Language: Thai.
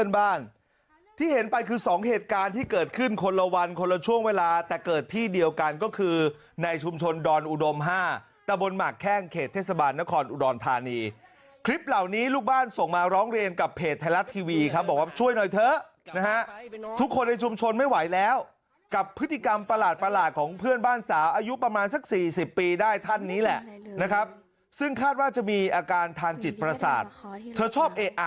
บ้านที่เห็นไปคือสองเหตุการณ์ที่เกิดขึ้นคนละวันคนละช่วงเวลาแต่เกิดที่เดียวกันก็คือในชุมชนดรอุดมห้าตะบนหมักแข้งเขตเทศบาลนครอุดรทานีคลิปเหล่านี้ลูกบ้านส่งมาร้องเรียนกับเพจไทยรัฐทีวีครับบอกว่าช่วยหน่อยเถอะนะฮะทุกคนในชุมชนไม่ไหวแล้วกับพฤติกรรมประหลาดประหลาดของเพื่อนบ